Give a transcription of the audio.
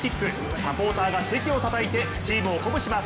サポーターが席をたたいてチームを鼓舞します。